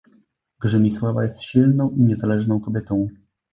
Grzymisława jest silną i niezależną kobietą.